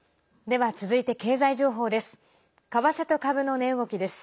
では、続いて経済情報です。